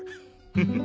フフフ。